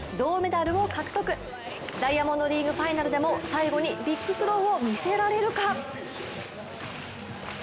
ダイヤモンドリーグファイナルでも最後にビッグスローを見せられるか。